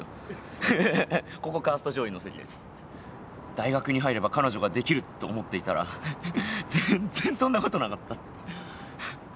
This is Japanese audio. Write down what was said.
大学に入れば彼女ができると思っていたら全然そんなことなかった。